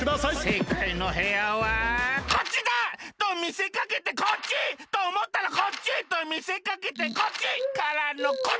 せいかいの部屋はこっちだ！とみせかけてこっち！とおもったらこっち！とみせかけてこっち！からのこっちだ！